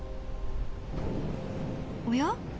おや？